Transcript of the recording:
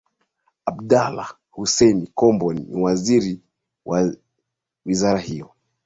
Abdallah Hussein Kombo ni Waziri wa Wizara hiyo